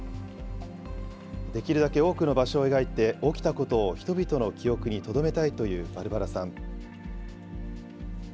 できるだけ多くの場所を描いて、起きたことを人々の記憶にとどめたいというバルバラさん。